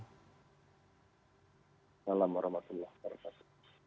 waalaikumsalam warahmatullah wabarakatuh